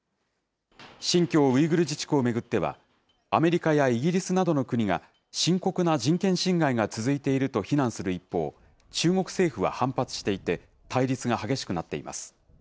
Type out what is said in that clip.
新疆ウイグル自治区を巡っては、アメリカやイギリスなどの国が、深刻な人権侵害が続いていると非難する一方、中国政府は反発していて、対立が激しくなっています。